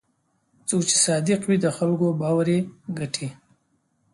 څوک چې صادق وي، د خلکو باور یې ګټي.